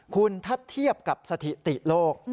คุณถ้าเทียบกับสถิติโลก